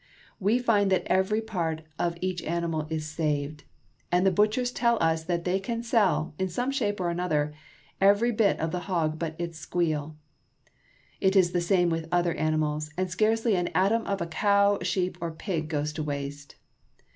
We find that every part of each animal is saved, and the Interior of a Packing House. butchers tell us that they can sell, in some shape or other, every bit of the hog but his squeal. It is the same with other animals, and scarcely an atom of a cow, sheep, or pig goes to waste.